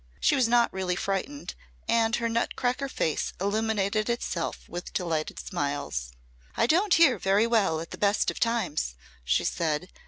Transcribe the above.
She was not really frightened and her nutcracker face illuminated itself with delighted smiles. "I don't hear very well at the best of times," she said.